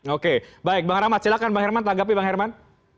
oke baik bang rahmat silahkan bang herman tanggapi bang herman